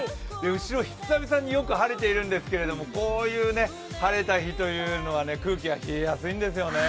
後ろ、久々によく晴れているんですけどこういう晴れた日というのは、空気が冷えやすいんですよね。